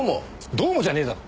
「どうも」じゃねえだろ。